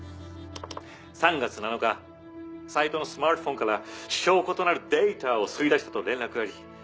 ３月７日斎藤のスマートフォンから証拠となるデータを吸い出したと連絡あり。